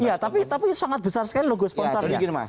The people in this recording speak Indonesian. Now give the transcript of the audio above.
iya tapi sangat besar sekali logo sponsornya